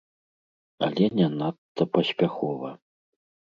Але не надта паспяхова.